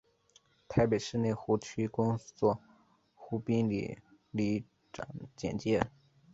台北市内湖区公所湖滨里里长简介